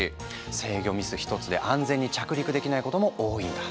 制御ミス一つで安全に着陸できないことも多いんだ。